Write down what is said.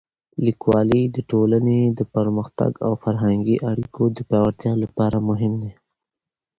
لیکوالی د ټولنې د پرمختګ او فرهنګي اړیکو د پیاوړتیا لپاره مهم دی.